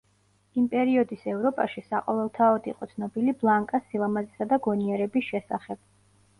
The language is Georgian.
იმ პერიოდის ევროპაში, საყოველთაოდ იყო ცნობილი ბლანკას სილამაზისა და გონიერების შესახებ.